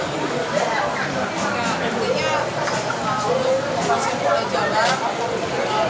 nah sebenarnya lalu pas yang sudah jalan